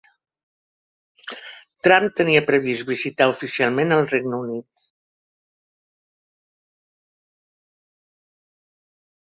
Trump tenia previs visitar oficialment al Regne Unit